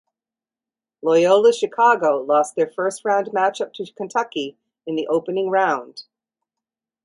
Loyola Chicago lost their first round matchup to Kentucky in the opening round.